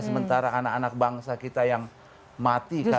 sementara anak anak bangsa kita yang mati karena narkoba